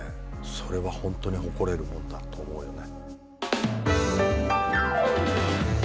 それは本当に誇れるものだと思うよね。